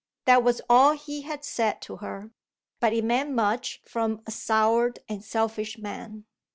That was all he had said to her, but it meant much from a soured and selfish man.